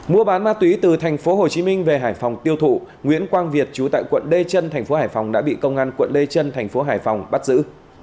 mua bán ma túy từ tp hcm về hải phòng tiêu thụ nguyễn quang việt trú tại quận lê trân tp hcm đã bị công an quận lê trân tp hcm bắt giữ